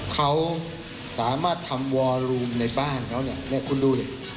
เขาสามารถทำวอลูมในบ้านเขาเนี่ยคุณดูดิ